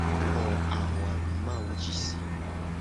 Xo ahuadumawu ji se.